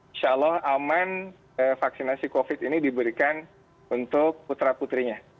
insya allah aman vaksinasi covid ini diberikan untuk putra putrinya